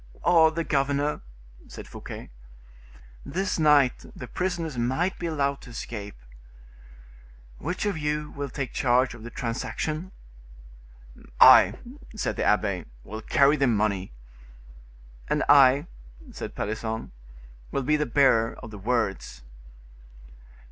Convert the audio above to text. "Or the governor," said Fouquet. "This night the prisoners might be allowed to escape." "Which of you will take charge of the transaction?" "I," said the abbe, "will carry the money." "And I," said Pelisson, "will be the bearer of the words."